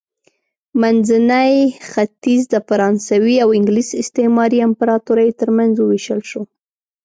منځنی ختیځ د فرانسوي او انګلیس استعماري امپراتوریو ترمنځ ووېشل شو.